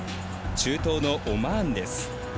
中東のオマーンです。